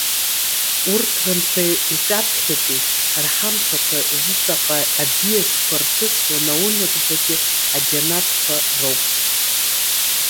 Урҭ рынцәа иҿаԥхьатәи рҳамҭақәа зыҵаҟа аӡиасқәа рҭысуа наунагӡатәи аџьанаҭқәа роуп.